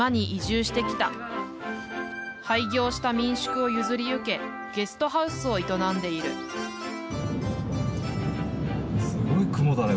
廃業した民宿を譲り受けゲストハウスを営んでいるすごい雲だね